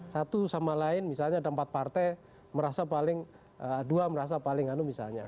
satu sama lain misalnya ada empat partai merasa paling dua merasa paling anu misalnya